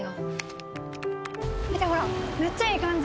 見てほらめっちゃええ感じ！